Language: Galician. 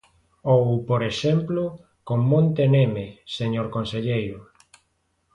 Ou, por exemplo, con Monte Neme, señor conselleiro.